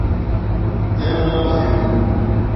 Em nabarînin.